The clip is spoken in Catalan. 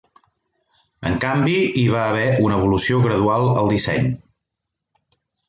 En canvi, hi va haver una evolució gradual al disseny.